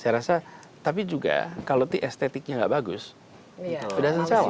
saya rasa tapi juga kalau estetiknya nggak bagus sudah selesai